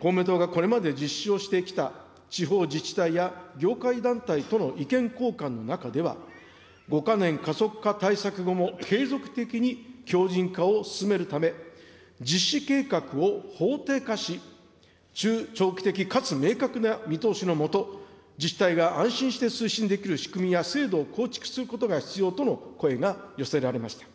公明党がこれまで実施をしてきた地方自治体や業界団体との意見交換の中では、５か年加速化対策後も継続的に強じん化を進めるため、実施計画を法定化し、中長期的かつ明確な見通しの下、自治体が安心して推進できる仕組みや制度を構築することが必要との声が寄せられました。